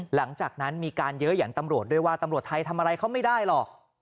หลังจากนั้นมีการเยอะอย่างตำรวจด้วยว่าตำรวจไทยทำอะไรเขาไม่ได้หรอก